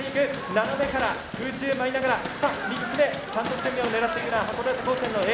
斜めから空中舞いながら３つ目３得点目を狙っていくのは函館高専のＡ。